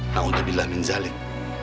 nah untuk bila minjalik